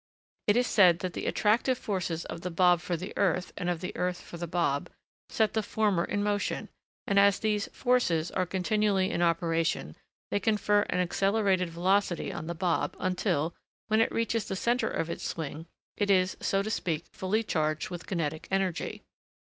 It is said that the 'attractive forces' of the bob for the earth, and of the earth for the bob, set the former in motion; and as these 'forces' are continually in operation, they confer an accelerated velocity on the bob; until, when it reaches the centre of its swing, it is, so to speak, fully charged with kinetic energy.